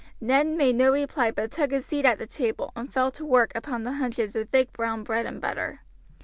Ned made no reply but took his seat at the table, and fell to work upon the hunches of thick brown bread and butter.